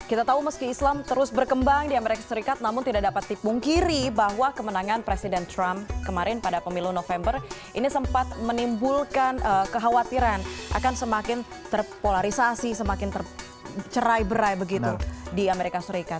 kita tahu meski islam terus berkembang di amerika serikat namun tidak dapat dipungkiri bahwa kemenangan presiden trump kemarin pada pemilu november ini sempat menimbulkan kekhawatiran akan semakin terpolarisasi semakin tercerai berai begitu di amerika serikat